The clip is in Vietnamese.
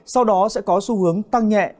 sau đó sẽ có xu hướng tăng nhẹ